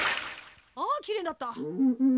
あきれいになった。